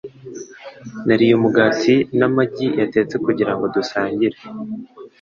Nariye umugati n'amagi yatetse kugirango dusangire.